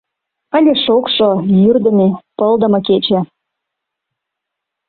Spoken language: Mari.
Ыле шокшо, йӱрдымӧ-пылдыме кече.